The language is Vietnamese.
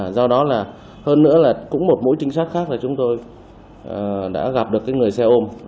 do đó là hơn nữa là cũng một mũi trinh sát khác là chúng tôi đã gặp được người xe ôm